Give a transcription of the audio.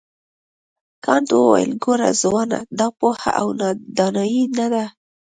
کانت وویل ګوره ځوانه دا پوهه او دانایي نه ده.